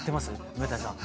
梅谷さん。